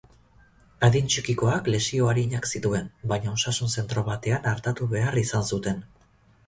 Adin txikikoak lesio arinak zituen baina osasun zentro batean artatu behar izan zuten.